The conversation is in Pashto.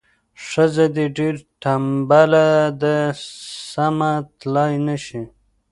ښځه دې ډیره تنبله ده سمه تلای نه شي.